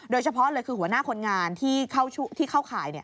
โดยเฉพาะเลยคือหัวหน้าคนงานที่เข้าข่าย